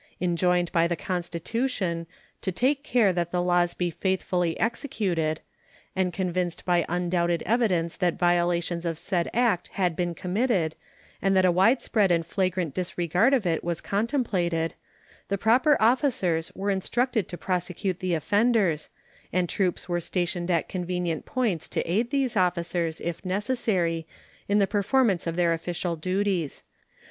Enjoined by the Constitution "to take care that the laws be faithfully executed," and convinced by undoubted evidence that violations of said act had been committed and that a widespread and flagrant disregard of it was contemplated, the proper officers were instructed to prosecute the offenders, and troops were stationed at convenient points to aid these officers, if necessary, in the performance of their official duties.